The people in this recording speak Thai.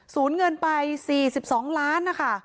ศูนย์เงินไป๔๒ล้านนะคะ